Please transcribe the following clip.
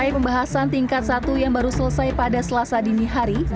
usai pembahasan tingkat satu yang baru selesai pada selasa dini hari